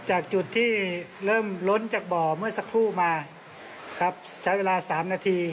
จะเป็นไปไหนขึ้นของมาแล้วครับ